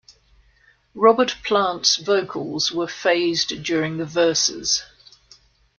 Robert Plant's vocals were phased during the verses.